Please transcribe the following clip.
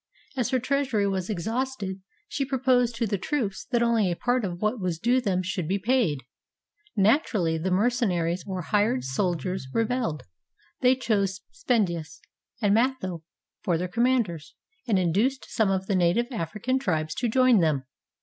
As her treasury was exhausted, she proposed to the troops that only a part of what was due them should be paid. Naturally, the merce naries, or hired soldiers, rebelled. They chose Spendius and Matho for their commanders, and induced some of the native African tribes to join them.